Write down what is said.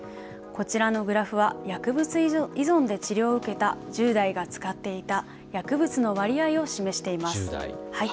こちらのグラフは薬物依存で治療を受けた１０代が使っていた薬物の割合を示しています。